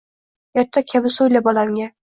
Ertak kabi so’yla bolamga